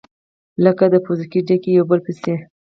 لكه د پوزکي ډَکي يو په بل پسي،